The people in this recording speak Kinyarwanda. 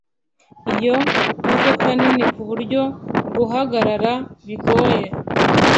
iyo modoka nini kuburyo guhagarara bigoye